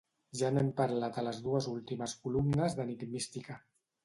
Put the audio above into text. Ja n'hem parlat a les dues últimes columnes d'enigmística.